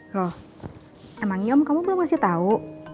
loh emangnya om kamu belum ngasih tahu